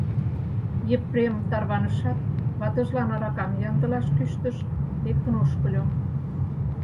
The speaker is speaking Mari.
Епрем тарванышат, ватыжлан аракам ямдылаш кӱштыш, лектын ошкыльо.